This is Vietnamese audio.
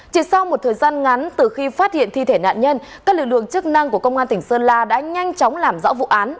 chỉ sau một thời gian ngắn từ khi phát hiện thi thể nạn nhân các lực lượng chức năng của công an tỉnh sơn la đã nhanh chóng làm rõ vụ án